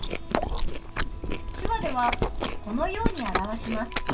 手話ではこのように表します。